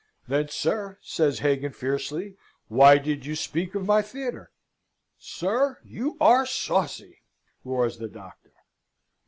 "Then, sir," says Hagan, fiercely, "why did you speak of my theatre?" "Sir, you are saucy!" roars the Doctor.